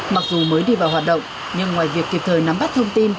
mặc dù mới đi vào hoạt động nhưng ngoài việc kịp thời nắm bắt thông tin